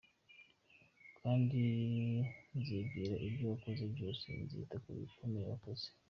Kandi nzibwira ibyo wakoze byose, Nzita ku bikomeye wakoze.